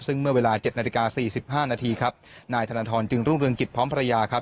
ซึ่งเมื่อเวลา๗นาฬิกา๔๕นาทีครับนายธนทรจึงรุ่งเรืองกิจพร้อมภรรยาครับ